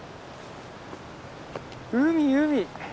海海。